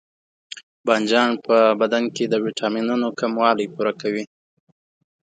بانجان په بدن کې د ویټامینونو کموالی پوره کوي.